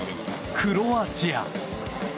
クロアチア。